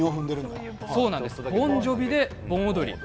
ボン・ジョヴィで盆踊り。